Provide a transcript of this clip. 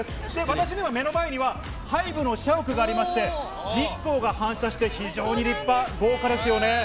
私の目の前には、ハイブの社屋がありまして、日光が反射して、非常に立派、豪華ですよね。